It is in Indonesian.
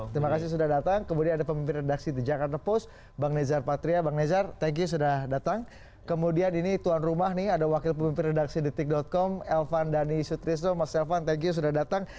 terima kasih sudah datang kemudian ada pemimpin redaksi the jakarta post bang nezar patria bang nezar thank you sudah datang kemudian ini tuan rumah nih ada wakil pemimpin redaksi detik com elvan dhani sutrisno mas elvan thank you sudah datang